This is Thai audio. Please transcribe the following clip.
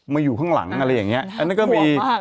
มาอยู่ข้างหลังอะไรอย่างเงี้ยนั่นก็มี